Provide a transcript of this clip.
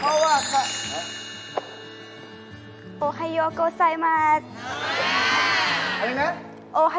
เฮ่ยเฮ่ยอะไรนะ